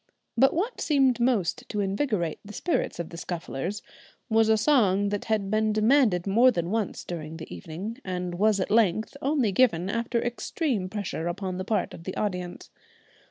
But what seemed most to invigorate the spirits of the Scufflers was a song that had been demanded more than once during the evening and was at length only given after extreme pressure upon the part of the audience.